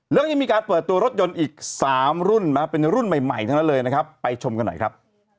แล้วยังมีการเปิดตัวรถยนต์อีก๓รุ่นนะครับ